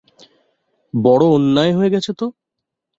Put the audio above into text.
বড়ো অন্যায় হয়ে গেছে তো।